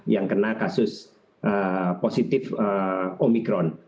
tiga belas yang kena kasus positif omicron